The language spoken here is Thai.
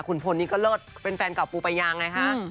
คุณพลนี่ก็เลิศเป็นแฟนเก่าปูปายางไงคะ